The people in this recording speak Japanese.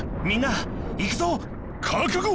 みんないくぞ！